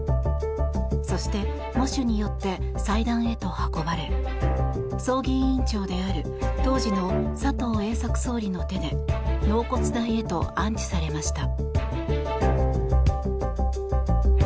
そして、喪主によって祭壇へと運ばれ葬儀委員長である当時の佐藤栄作総理の手で納骨台へと安置されました。